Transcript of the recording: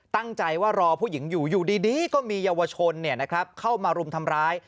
ตั้งใจว่ารอผู้หญิงอยู่อยู่ดีก็มีเยาวชนเข้ามารุมทำร้าย